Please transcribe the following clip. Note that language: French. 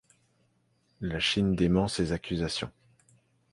La Chine dément ces accusations.